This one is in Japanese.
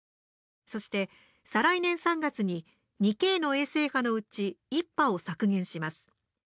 そして、再来年３月に２Ｋの衛星波のうち１波を削減します。